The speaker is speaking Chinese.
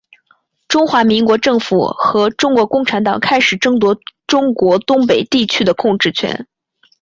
中华民国政府和中国共产党开始争夺中国东北地区的控制权。